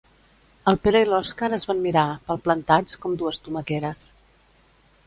El Pere i l'Oskar es van mirar, palplantats com dues tomaqueres.